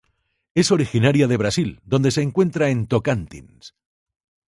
Es originaria de Brasil donde se encuentra en Tocantins.